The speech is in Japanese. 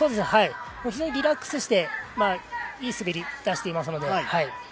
非常にリラックスして、いい滑り出していますので。